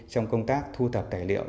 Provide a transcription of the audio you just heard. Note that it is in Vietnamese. trong công tác thu tập tài liệu